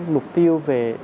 mục tiêu về